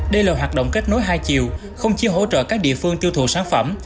đây là hoạt động kết nối hai chiều không chỉ hỗ trợ các địa phương tiêu thụ sản phẩm